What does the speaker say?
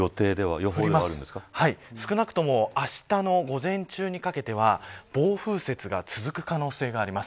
少なくともあしたの午前中にかけては暴風雪が続く可能性があります。